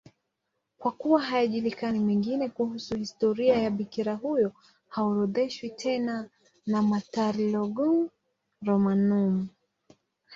Kwa kuwa hayajulikani mengine kuhusu historia ya bikira huyo, haorodheshwi tena na Martyrologium Romanum.